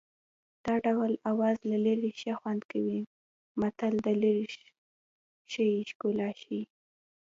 د ډول آواز له لرې ښه خوند کوي متل د لرې شي ښکلا ښيي